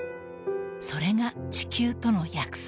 ［それが地球との約束］